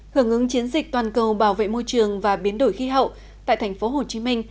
hưởng ứng chiến dịch toàn cầu bảo vệ môi trường và biến đổi khí hậu tại thành phố hồ chí minh